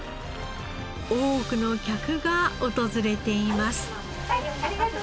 多くの客が訪れています。